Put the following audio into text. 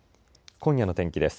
今夜の天気です。